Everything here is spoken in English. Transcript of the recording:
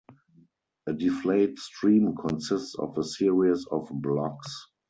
A Deflate stream consists of a series of blocks.